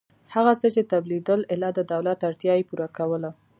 هغه څه چې تولیدېدل ایله د دولت اړتیا یې پوره کوله.